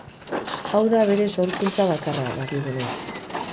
Hau da bere sorkuntza bakarra, dakigunez.